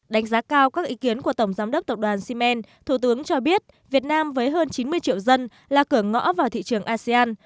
đánh giá cao các ý kiến của tổng giám đốc tập đoàn ximen thủ tướng cho biết việt nam với hơn chín mươi triệu dân là cửa ngõ vào thị trường asean